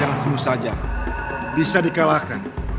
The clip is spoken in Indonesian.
jangan semu saja bisa dikalahkan